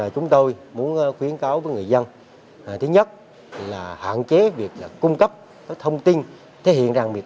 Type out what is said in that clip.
chúng tôi muốn khuyến cáo với người dân